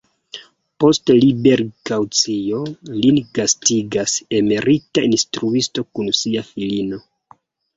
Post liberigkaŭcio, lin gastigas emerita instruisto kun sia filino.